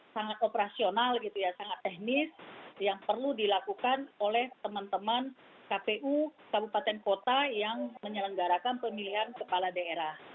sangat operasional gitu ya sangat teknis yang perlu dilakukan oleh teman teman kpu kabupaten kota yang menyelenggarakan pemilihan kepala daerah